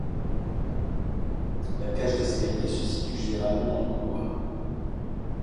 La cage d'escalier se situe généralement dans le couloir.